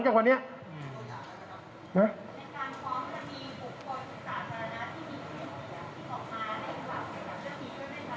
ซึ่งในส่วนนี้พนักงานสอบส่วน